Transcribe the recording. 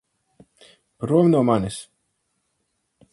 Prom no manis!